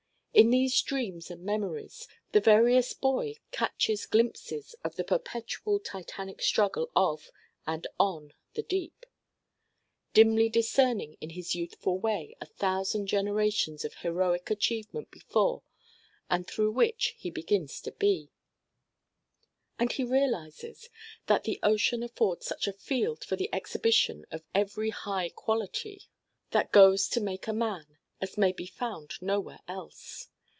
In these dreams and memories the veriest boy catches glimpses of the perpetual Titanic struggle of, and on, the deep; dimly discerning in his youthful way, a thousand generations of heroic achievement before, and through which, he begins to be; and he realizes that the ocean affords such a field for the exhibition of every high quality that goes to make a man as may be found nowhere else.